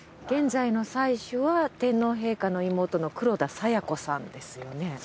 現在の祭主は天皇陛下の妹の黒田清子さんですよね？